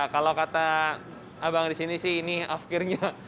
kalau kata abang di sini sih ini afkirnya